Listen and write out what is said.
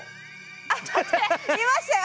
あっいましたよ！